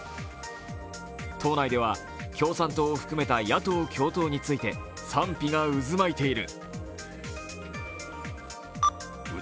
党内では共産党を含めた野党共闘について賛否が渦巻いている。